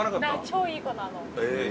超いい子なの。